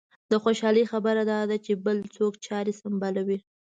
د خوشالۍ خبره دا ده چې بل څوک چارې سنبالوي.